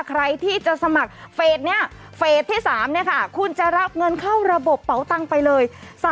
ใครที่จะสมัครเฟสนี้เฟสที่๓คุณจะรับเงินเข้าระบบเป๋าตังไปเลย